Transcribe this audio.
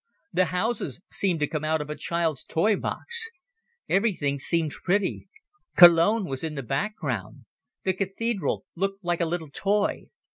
The houses seemed to come out of a child's toy box. Everything seemed pretty. Cologne was in the background. The cathedral looked like a little toy.